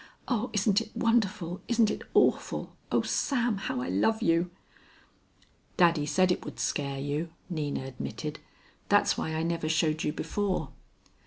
O isn't it wonderful, isn't it awful, O Sam, how I love you. "Daddy said it would scare you," Nina admitted. "That's why I never showed you before."